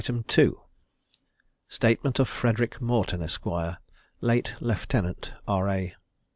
_Statement of Frederick Morton, Esq., late Lieutenant, R.A.